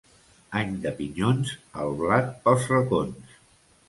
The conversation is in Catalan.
Any de pinyons, el blat pels racons.